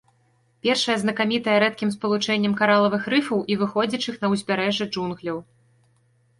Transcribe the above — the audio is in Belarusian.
Першая знакамітая рэдкім спалучэннем каралавых рыфаў і выходзячых на ўзбярэжжа джунгляў.